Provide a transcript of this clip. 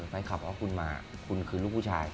ไปขับเอาคุณมาคุณคือลูกผู้ชาย